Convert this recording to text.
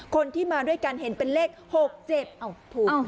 คนที่มาด้วยกันเห็นเป็นเลข๖๗อ้าวถูก